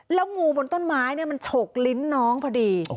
แล้วงูบนต้นไม้มันฉกลิ้นน้องพอดี